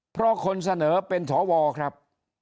เพราะคนเสนอเป็นถวอครับ